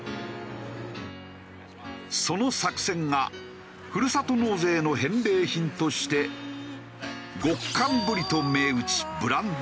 その作戦がふるさと納税の返礼品として極寒ブリと銘打ちブランド化。